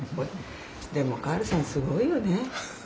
でもカールさんすごいよね。